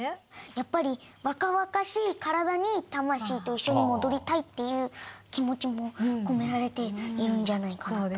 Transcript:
やっぱり若々しい体に魂と一緒に戻りたいっていう気持ちも込められているんじゃないかなと。